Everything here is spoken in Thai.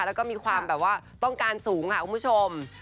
แล้วก็มีความแบบว่าต้องการสูงค่ะคุณผู้ชม